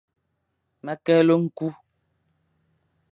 Ma keghle nku.